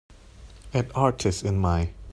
add artist in my